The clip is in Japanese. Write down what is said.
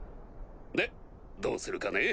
でどうするかね？